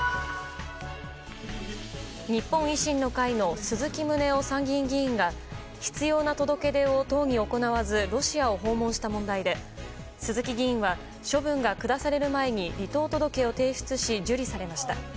日本維新の会の鈴木宗男参議院議員が必要な届け出を党に行わずロシアを訪問した問題で鈴木議員は処分が下される前に離党届を提出し受理されました。